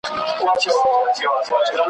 زموږ په رنګ درته راوړي څوک خوراکونه؟ !.